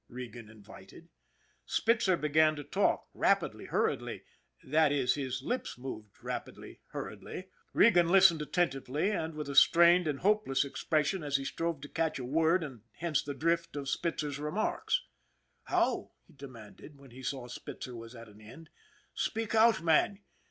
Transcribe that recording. Regan invited. Spitzer began to talk, rapidly, hurriedly that is, his lips moved rapidly, hurriedly. Regan listened attentively and with a strained and hopeless expression, as he strove to catch a word and hence the drift of Spitzer's remarks. " How ?" he demanded, when he saw Spitzer was at an end. " Speak out, man.